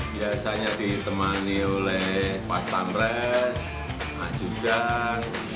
biasanya ditemani oleh pas pampres anjung dan